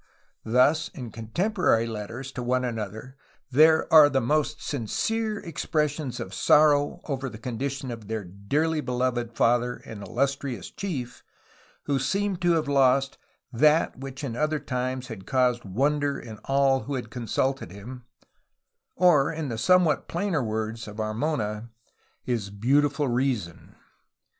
Thus, in con temporary letters to one another there are the most sincere expressions of sorrow over the condition of their "dearly beloved father and illustrious chief who seemed to have lost 'Hhat which in other times had caused wonder in all who had consulted him" or, in the somewhat plainer words of Armona, his "beautiful reason.''